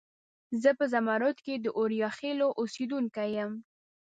زه په زرمت کې د اوریاخیلو اوسیدونکي یم.